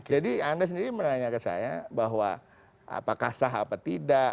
jadi anda sendiri menanyakan saya bahwa apakah sah atau tidak